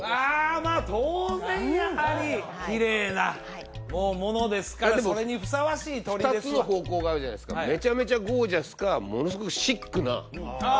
まあ当然やはりきれいなものですからそれにふさわしい鳥ですわ２つの方向があるじゃないですかめちゃめちゃゴージャスかものすごくシックなああ